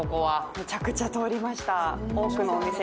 めちゃくちゃ通りました。